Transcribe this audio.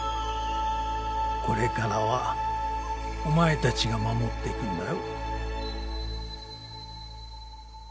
これからはお前たちが守っていくんだよ。